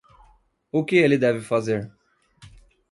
O que ele deve fazer?